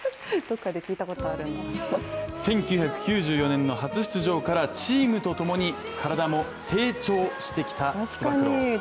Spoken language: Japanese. １９９４年の初出場からチームとともに、体も成長してきたつば九郎。